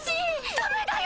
ダメだよ